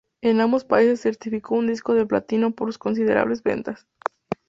En ambos países certificó un disco de platino por sus considerables ventas.